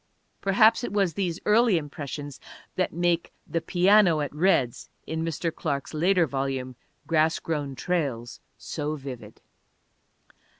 Perhaps it was these early impressions that make The Piano at Red's in Mr. Clark's later volume Grass Grown Trails so vivid.